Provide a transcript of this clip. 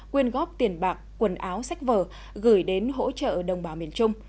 quyên góp tiền bạc quần áo sách vở gửi đến hỗ trợ đồng bào miền trung